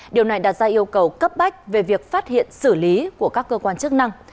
điều này đặt ra yêu cầu cấp bách về việc phát hiện xử lý của các cơ quan chức năng